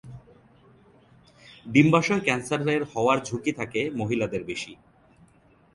ডিম্বাশয় ক্যান্সারের হওয়ার ঝুঁকি থাকে মহিলাদের বেশি।